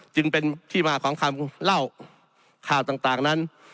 จึงเป็นที่มาของคำเล่าข่าวต่างนั้น